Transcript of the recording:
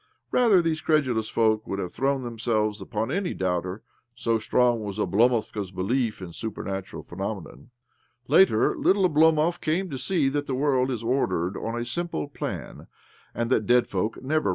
Rather these credulous folk would have thrown themselves upon any doubter — so strong was Oblomovka's belief in super natural phenomena. Later, little Oblomov came to see that the world is ordered on a simple plan, and that dead folk never